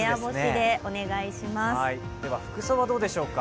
では服装はどうでしょうか。